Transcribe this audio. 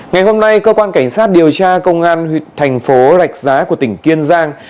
ngày hôm nay cơ quan cảnh sát điều tra công an thành phố lạch giá của tỉnh kiên giang